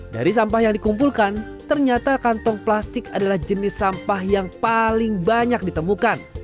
dari sampah yang dikumpulkan ternyata kantong plastik adalah jenis sampah yang paling banyak ditemukan